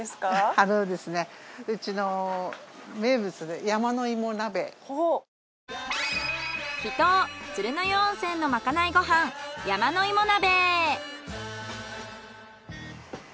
あのですねうちの秘湯鶴の湯温泉のまかないご飯山の芋鍋。